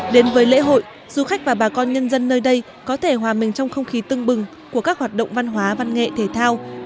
đến với lễ hội du khách và bà con nhân dân nơi đây có thể hòa mình trong không khí tưng bừng của các hoạt động văn hóa văn nghệ thể thao